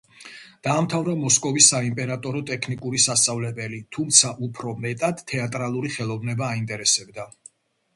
დაამთავრა მოსკოვის საიმპერატორო ტექნიკური სასწავლებელი, თუმცა უფრო მეტად თეატრალური ხელოვნება აინტერესებდა.